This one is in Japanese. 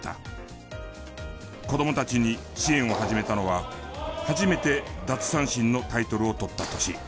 子どもたちに支援を始めたのは初めて奪三振のタイトルを取った年。